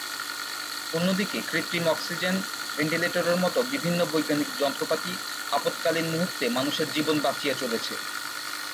অন্যদিকে কৃত্রিম অক্সিজেন, ভেন্টিলেটরের মতো বিভিন্ন বৈজ্ঞানিক যন্ত্রপাতি আপৎকালীন মুহূর্তে মানুষের জীবন বাঁচিয়ে চলেছে।